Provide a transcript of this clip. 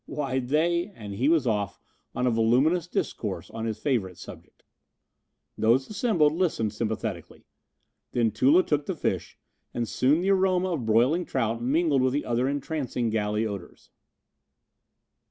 Why, they " and he was off on a voluminous discourse on a favorite subject. Those assembled listened sympathetically. Then Tula took the fish, and soon the aroma of broiling trout mingled with the other entrancing galley odors.